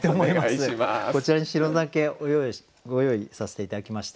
こちらに白酒ご用意させて頂きました。